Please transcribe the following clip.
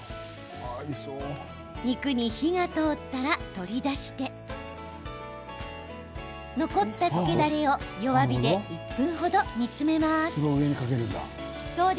肉に火が通ったら、取り出して残った漬けだれを弱火で１分程、煮詰めます。